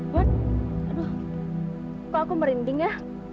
kok aku merinding ya